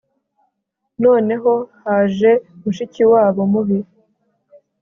noneho haje mushikiwabo mubi